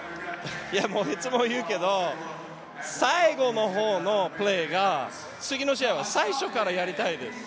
もういつも言うけど最後のほうのプレーを次の試合は最初からやりたいです。